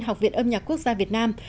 học viện âm nhạc quốc gia việt nam